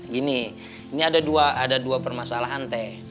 gini ini ada dua permasalahan teh